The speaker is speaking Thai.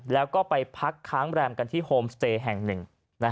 แล้วก็ไปพักค้างแรมกันที่โฮมสเตย์แห่งหนึ่ง